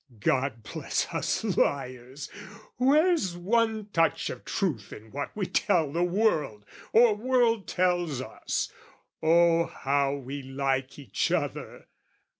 God bless us liars, where's one touch of truth In what we tell the world, or world tells us, Oh how we like each other?